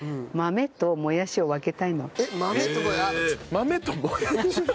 豆ともやし。